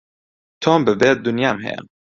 تۆم ببێ دونیام هەیە